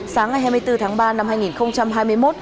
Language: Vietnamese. sáng ngày hai mươi bốn tháng ba năm hai nghìn hai mươi một